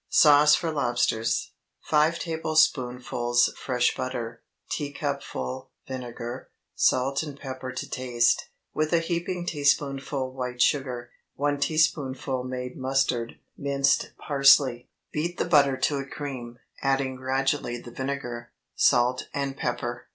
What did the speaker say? SAUCE FOR LOBSTERS. 5 tablespoonfuls fresh butter. Teacupful vinegar. Salt and pepper to taste, with a heaping teaspoonful white sugar. 1 teaspoonful made mustard. Minced parsley. Beat the butter to a cream, adding gradually the vinegar, salt, and pepper.